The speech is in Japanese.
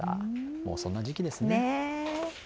もうそんな時期ですね。